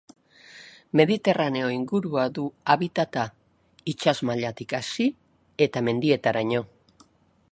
Mediterraneo ingurua du habitata, itsas mailatik hasi eta mendietaraino.